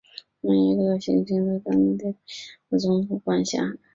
每一个行星都由当地的行星总督管辖。